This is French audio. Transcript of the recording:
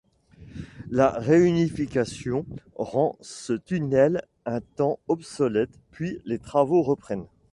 La réunification rend ce tunnel un temps obsolète puis les travaux reprennent.